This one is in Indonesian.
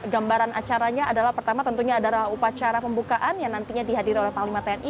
gambaran acaranya adalah pertama tentunya adalah upacara pembukaan yang nantinya dihadiri oleh panglima tni